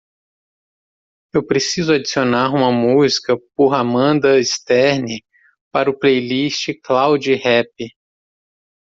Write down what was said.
Eu preciso adicionar uma música por Amanda Stern para o playlist cloud rap.